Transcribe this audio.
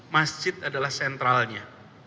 masjid adalah sentralnya